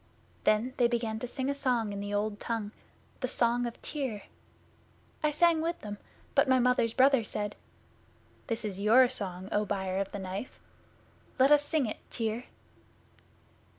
Then they began to sing a song in the Old Tongue The Song of Tyr. I sang with them, but my Mother's brother said, "This is your song, O Buyer of the Knife. Let us sing it, Tyr."